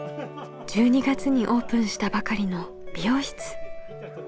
１２月にオープンしたばかりの美容室。